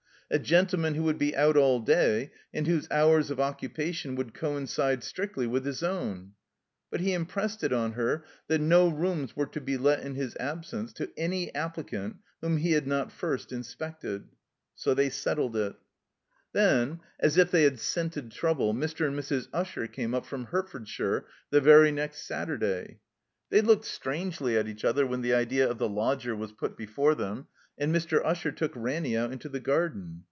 A gentle man who would be out all day, and whose hours of occupation would coincide strictly with his own. But he impressed it on her that no rooms were to be let in his absence to any applicant whom he had not first inspected. So they settled it. Then, as if they had scented trouble, Mr. and Mrs. Usher came up from Hertfordshire the very next Satiu day. They looked strangely at each other when the idea of the lodger was put before them, and Mr. Usher took Ranny out into the gar den.